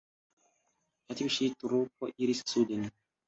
Tiu ĉi trupo iris suden.